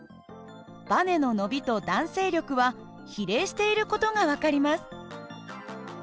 ばねの伸びと弾性力は比例している事が分かります。